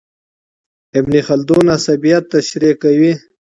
ابن خلدون عصبيت تشريح کوي.